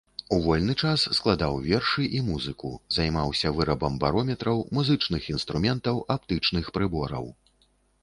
У вольны час складаў вершы і музыку, займаўся вырабам барометраў, музычных інструментаў, аптычных прыбораў.